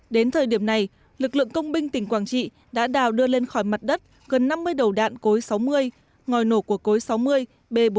đến thời điểm này lực lượng công binh tỉnh quảng trị đã đào đưa lên khỏi mặt đất gần năm mươi đầu đạn cối sáu mươi ngòi nổ của cối sáu mươi b bốn trăm linh